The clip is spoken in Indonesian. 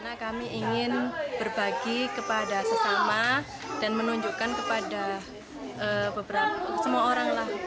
karena kami ingin berbagi kepada sesama dan menunjukkan kepada semua orang lah